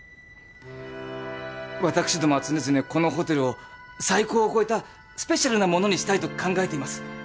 私どもは常々このホテルを最高を超えたスペシャルなものにしたいと考えています。